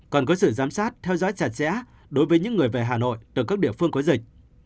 cần có sự giám sát theo dõi chặt chẽ đối với những người về hà nội từ các địa phương có dịch